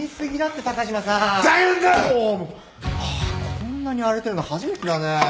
こんなに荒れてるの初めてだねぇ。